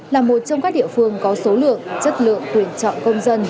là một trong các địa phương có số lượng chất lượng tuyển chọn công dân